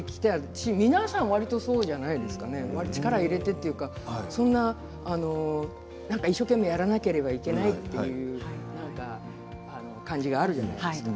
皆さんわりとそうじゃないですか力を入れてというか一生懸命やらなければいけないという感じがあるじゃないですか。